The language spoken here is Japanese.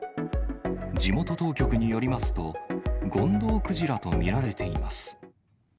地元当局によりますと、ゴンドウクジラと見られています。